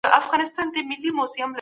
آیا ته د خوند لپاره کتاب لولې؟